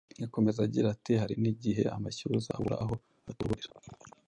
Akomeza agira ati:”hari n’igihe amashyuza abura aho atoborera